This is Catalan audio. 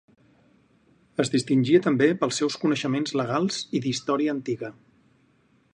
Es distingia també pels seus coneixements legals i d'història antiga.